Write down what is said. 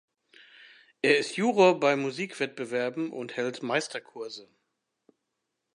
Er ist Juror bei Musikwettbewerben und hält Meisterkurse.